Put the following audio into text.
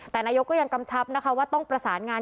แต่นายกก็ยังกำชับนะคะว่าต้องประสานงาน